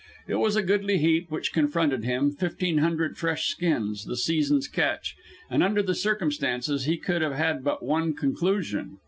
It was a goodly heap which confronted him fifteen hundred fresh skins, the season's catch; and under the circumstances he could have had but one conclusion.